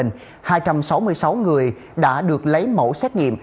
hai trăm sáu mươi sáu người đã được lấy mẫu xét nghiệm